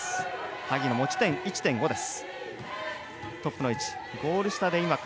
萩野、持ち点、１．５です。